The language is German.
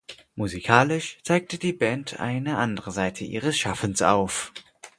Musikalisch zeigte die Band eine andere Seite ihres Schaffens auf.